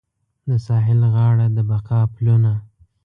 د ساحل غاړه د بقا پلونه